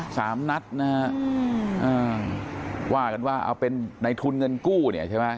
สามนัดว่ากันว่าเอาเป็นในทุนเงินกู้ใช่ไหม